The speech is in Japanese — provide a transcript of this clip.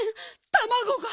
たまごが。